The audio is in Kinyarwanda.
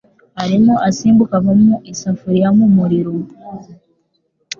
Arimo asimbuka ava mu isafuriya mu muriro.